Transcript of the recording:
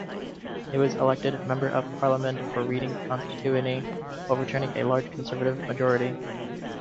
He was elected Member of Parliament for Reading constituency overturning a large Conservative majority.